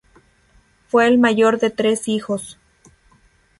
Fue el mayor de tres hijos.